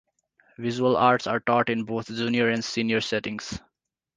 Visual Arts are taught in both Junior and Senior settings.